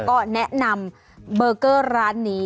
ก็แนะนำเบอร์เกอร์ร้านนี้